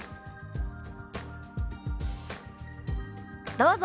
どうぞ。